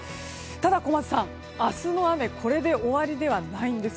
ただ小松さん、明日の雨はこれで終わりではないんです。